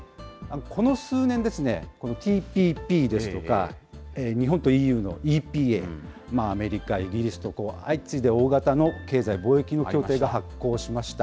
この数年、このＴＰＰですとか、日本とＥＵのＥＰＡ、アメリカ、イギリスと相次いで大型の経済・貿易の協定が発効しました。